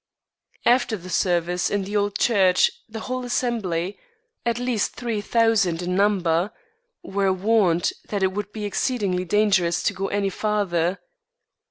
After the service in the old church the whole assembly, at least three thousand in number, were warned that it would be exceedingly dangerous to go any farther.